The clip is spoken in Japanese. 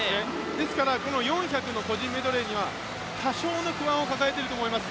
ですから４００の個人メドレーには多少の不安を抱えてると思います。